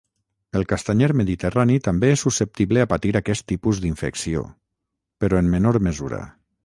El castanyer mediterrani també és susceptible a patir aquest tipus d'infecció, però en menor mesura.